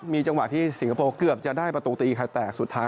มีจังหวะที่สิงคโปร์เกือบจะได้ประตูตีใครแตกสุดท้าย